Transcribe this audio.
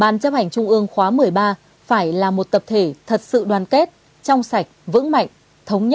ba nội dung phương pháp cách thức tiến hành